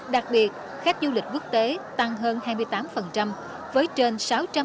đặc biệt khách du lịch quốc tế tăng hơn hai mươi